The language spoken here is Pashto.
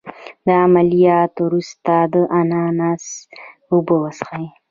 د عملیات وروسته د اناناس اوبه وڅښئ